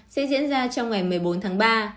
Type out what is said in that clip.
sẽ diễn ra trong ngày một mươi bốn tháng ba